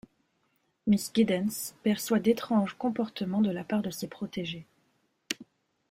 Miss Giddens perçoit d'étranges comportements de la part de ses protégés.